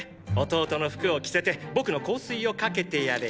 弟の服を着せて僕の香水をかけてやれ。